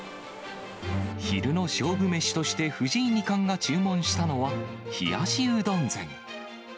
昼の勝負メシとして藤井二冠が注文したのは、冷やしうどん膳。